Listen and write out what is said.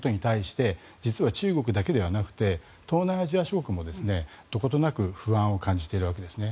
実は中国だけではなくて東南アジア諸国もどことなく不安を感じているわけですね。